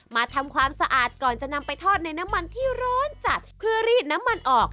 มาทำความสะอาดก่อนจะนำไปทอดในน้ำมันที่ร้อนจัดเพื่อรีดน้ำมันออก